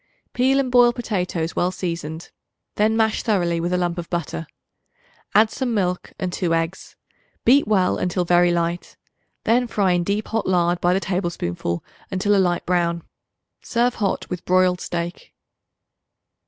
Peel and boil potatoes well seasoned; then mash thoroughly with a lump of butter. Add some milk and 2 eggs; beat well until very light. Then fry in deep hot lard by the tablespoonful until a light brown. Serve hot with broiled steak.